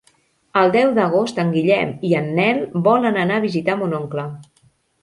El deu d'agost en Guillem i en Nel volen anar a visitar mon oncle.